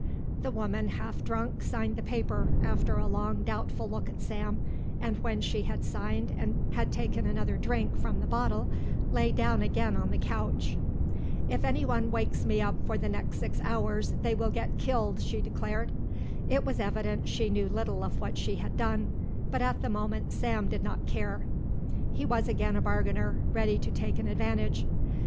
The woman, half drunk, signed the paper, after a long doubtful look at Sam, and when she had signed and had taken another drink from the bottle lay down again on the couch. "If any one wakes me up for the next six hours they will get killed," she declared. It was evident she knew little of what she had done, but at the moment Sam did not care. He was again a bargainer, ready to take an advantage.